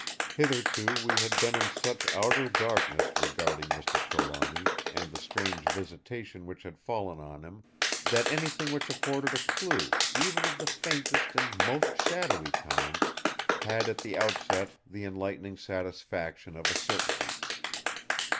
Hitherto we had been in such outer darkness regarding Mr. Trelawny, and the strange visitation which had fallen on him, that anything which afforded a clue, even of the faintest and most shadowy kind, had at the outset the enlightening satisfaction of a certainty.